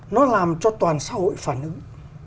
nó làm cho toàn xã hội phản ứng